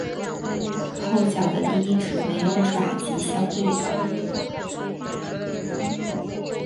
后脚的第一趾没有爪及相对的。